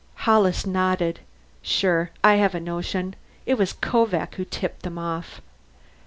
Hollis nodded. "Sure I have a notion! It was Kovak who tipped them off."